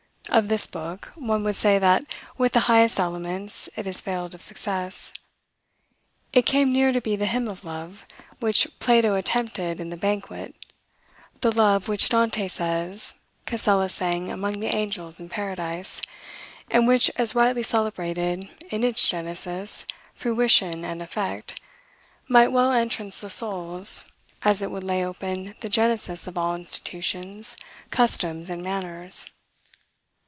Of this book, one would say, that, with the highest elements, it has failed of success. It came near to be the Hymn of Love, which Plato attempted in the "Banquet;" the love, which, Dante says, Casella sang among the angels in Paradise; and which, as rightly celebrated, in its genesis, fruition, and effect, might well entrance the souls, as it would lay open the genesis of all institutions, customs, and manners.